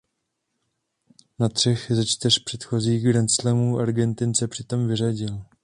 Na třech ze čtyř předchozích grandslamů Argentince přitom vyřadil.